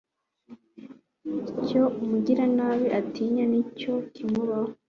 Icyo umugiranabi atinya ni cyo kimubaho